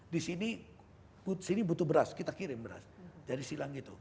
di sini sini butuh beras kita kirim beras dari silang itu